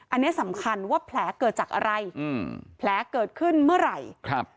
อันนี้สำคัญว่าแผลเกิดจากอะไรอืมแผลเกิดขึ้นเมื่อไหร่ครับ